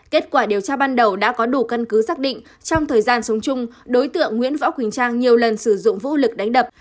kết quả điều tra ban đầu đã có đủ căn cứ xác định trong thời gian sống chung đối tượng nguyễn võ quỳnh trang nhiều lần sử dụng vũ lực đánh đập